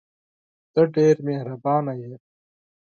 ته ډېره مهربانه یې !